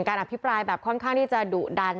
อภิปรายแบบค่อนข้างที่จะดุดัน